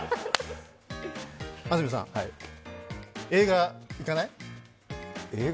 安住さん、映画行かない？